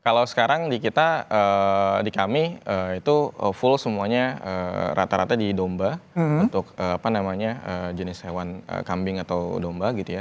kalau sekarang di kami itu full semuanya rata rata di domba untuk jenis hewan kambing atau domba gitu ya